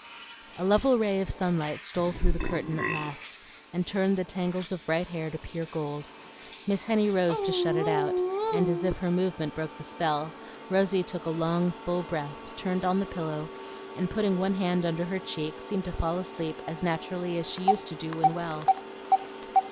A level ray of sunlight stole through the curtain at last and turned the tangles of bright hair to pure gold. Miss Henny rose to shut it out, and as if her movement broke the spell, Rosy took a long full breath, turned on the pillow, and putting one hand under her cheek, seemed to fall asleep as naturally as she used to do when well.